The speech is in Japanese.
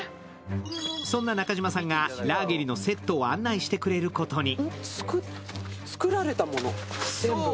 そんな中島さんがラーゲリのセットを案内してくれることに。